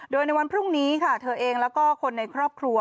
โดยในวันพรุ่งนี้ค่ะเธอเองแล้วก็คนในครอบครัว